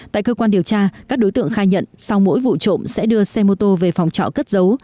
tại cơ quan điều tra các đối tượng khai nhận sau mỗi vụ trộm sẽ đưa xe mô tô về phòng trọ cất dấu